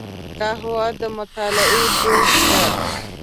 قهوه د مطالعې دوست ده